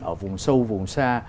ở vùng sâu vùng xa